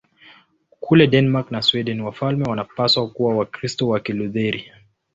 Kule Denmark na Sweden wafalme wanapaswa kuwa Wakristo wa Kilutheri.